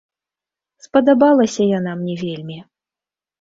Спадабалася яна мне вельмі.